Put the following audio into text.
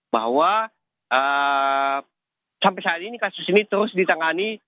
bahwa sampai saat ini kasus ini terus ditangani